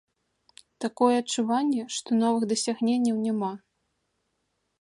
Такое адчуванне, што новых дасягненняў няма.